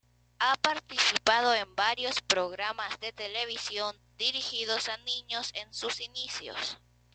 Ha participado en varios programas de televisión dirigidos a niños en sus inicios.